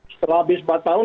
setelah habis empat tahun